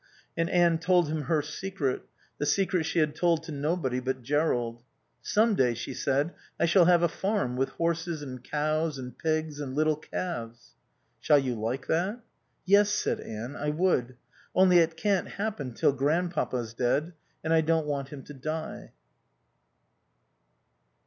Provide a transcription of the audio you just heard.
And Anne told him her secret, the secret she had told to nobody but Jerrold. "Some day," she said, "I shall have a farm, with horses and cows and pigs and little calves." "Shall you like that?" "Yes," said Anne. "I would. Only it can't happen till Grandpapa's dead. And I don't want him to die."